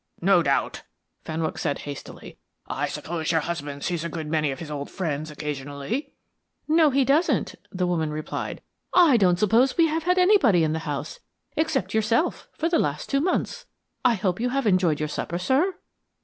"No doubt," Fenwick said, hastily. "I suppose your husband sees a good many of his old friends occasionally?" "No, he doesn't," the woman replied. "I don't suppose we have had anybody in the house except yourself for the last two months. I hope you have enjoyed your supper, sir?"